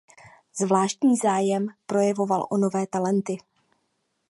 Zvláštní zájem projevoval o nové talenty.